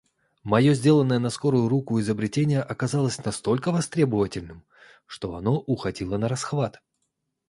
Моё сделанное на скорую руку изобретение оказалось настолько востребованным, что оно уходило нарасхват.